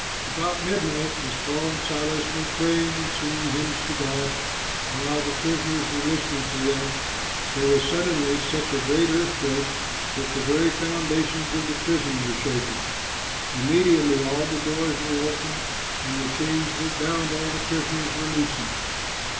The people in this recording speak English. About midnight, as Paul and Silas were praying and singing hymns to God, and while the prisoners were listening to them, there was suddenly such a great earthquake that the very foundations of the prison were shaken. Immediately all the doors were opened and the chains that bound all the prisoners were loosened.